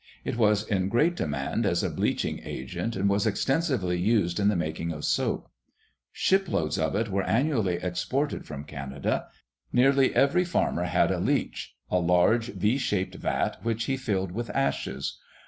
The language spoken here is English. It was in great demand as a bleaching agent and was extensively used in the making of soap. Shiploads of it were annually exported from Canada. Nearly every farmer had a leach, a large V shaped vat, which he filled with ashes.